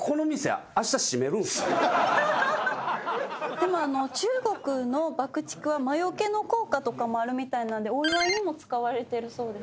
でも中国の爆竹は魔よけの効果とかもあるみたいなんでお祝いにも使われてるそうです。